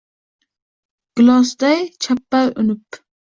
gilosday chappar urib